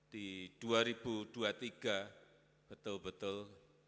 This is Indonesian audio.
di dua ribu dua puluh tiga betul betul